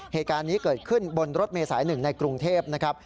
เหตุการณ์นี้เกิดขึ้นบนรถเมษาย๑ในกรุงเทพนะครับ